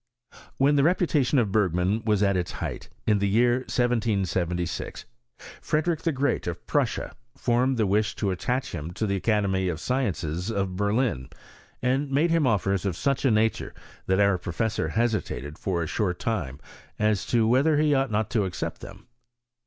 When the reputation of Bergman was at its height, in the year 1776, Frederick the Great of Prussia formed the wish to attach him to the Academy of Sciences of Berlin, and made him offers of such a nature that our professor hesitated for a short time as to whether he ought not to accept them.